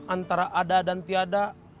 antara ada dan tiada